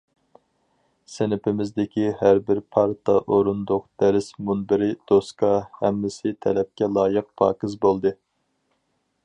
سىنىپىمىزدىكى ھەر بىر پارتا- ئورۇندۇق، دەرس مۇنبىرى، دوسكا ھەممىسى تەلەپكە لايىق پاكىز بولدى.